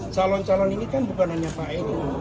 calon calon ini kan bukan hanya pak erik